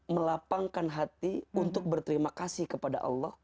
melapangkan hati untuk berterima kasih kepada allah